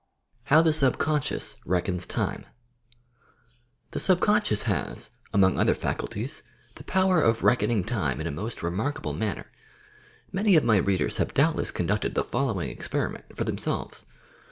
now THE SUBCONSCIOUS RECKONS TIME The subconscious has, among other faculties, the power of reckoning time In a most remarkable manner. Many of my readers have doubtlesas conducted the following experiment for themselves.